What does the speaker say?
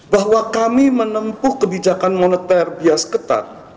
bahwa kami menempuh kebijakan moneter bias ketat